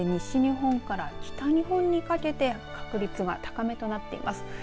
西日本から北日本にかけて確率が高めとなっています。